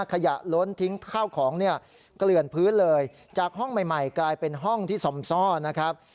ล้นทิ้งข้าวของเนี่ยเกลื่อนพื้นเลยจากห้องใหม่ใหม่กลายเป็นห้องที่ซอมซ่อนะครับ